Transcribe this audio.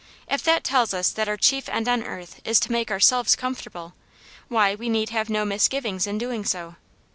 If that tells us that our chief end on earth is to make ourselves comfortable, why, we need have no misgivings in doing so.